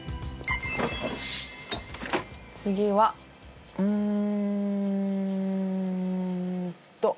次はうーんと。